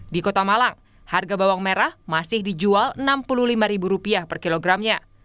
di kota malang harga bawang merah masih dijual rp enam puluh lima per kilogramnya